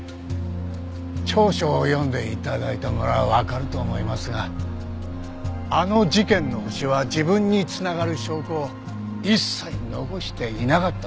調書を読んで頂いたならわかると思いますがあの事件のホシは自分に繋がる証拠を一切残していなかったんです。